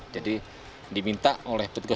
jadi diminta oleh petugas